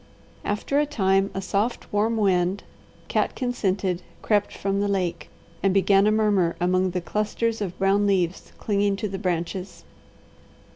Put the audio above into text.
After a time a soft, warm wind, catkin scented, crept from the lake, and began a murmur among the clusters of brown leaves clinging to the branches.